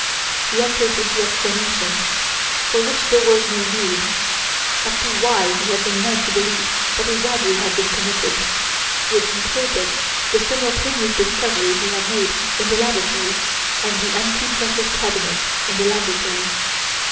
He entered into explanations, for which there was no need, as to why he had been led to believe that a robbery had been committed, which included the simultaneous discovery he had made in the lavatory, and the empty precious cabinet in the laboratory.